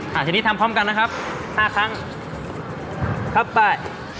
ทีนี้ทำพร้อมกันนะครับห้าครั้งครับไป